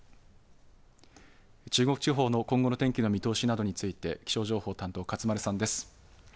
中国地方の今後の天気の見通しなどについて気象情報担当、勝丸さんです。